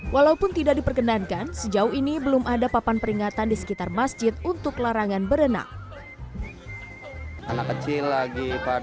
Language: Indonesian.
walaupun tidak diperkenankan sejauh ini belum ada papan peringatan di sekitar masjid untuk larangan berenang